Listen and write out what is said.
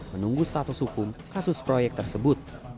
menunggu status hukum kasus proyek tersebut